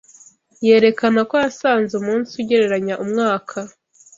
Yerekana ko yasanze umunsi ugereranya umwaka